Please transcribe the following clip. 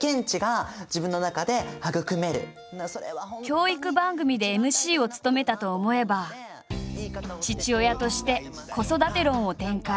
教育番組でＭＣを務めたと思えば父親として子育て論を展開。